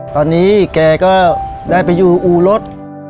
ตอนนี้แกก็ได้ไปอยู่อู่รถ